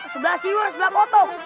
sebelah siwur sebelah kotok